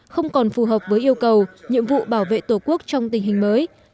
không còn phù hợp với yêu cầu nhiệm vụ bảo vệ tổ quốc trong tình hình mới